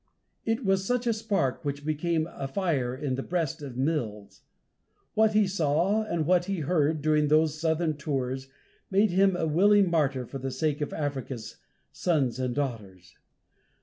It was such a spark which became a fire in the breast of Mills. What he saw and what he heard, during those southern tours, made him a willing martyr for the sake of Africa's sons and daughters.